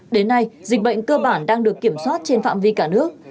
đến nay dịch bệnh cơ bản đang được kiểm soát trên phạm vi cả nước